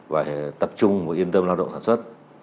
và tập trung và yên tâm lao động sản xuất